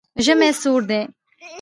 ژمی سوړ ده